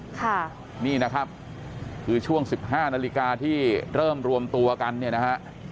ค่ะนี่นะครับคือช่วงสิบห้านาฬิกาที่เริ่มรวมตัวกันเนี่ยนะฮะ